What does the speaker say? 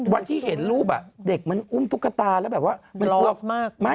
วันที่เห็นรูปเด็กมันอุ้มตุ๊กตาแล้วแบบว่ามันกลัวมาก